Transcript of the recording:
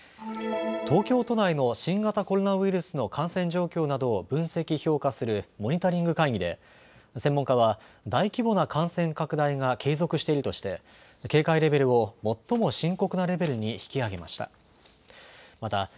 東京都内の新型コロナウイルスの感染状況などを分析・評価するモニタリング会議で専門家は大規模な感染拡大が継続しているとして警戒レベルを最も深刻なレベルに引き上げました。